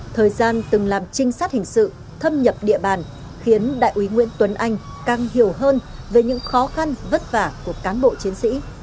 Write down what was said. thời gian từng làm trinh sát hình sự thâm nhập địa bàn khiến đại úy nguyễn tuấn anh càng hiểu hơn về những khó khăn vất vả của cán bộ chiến sĩ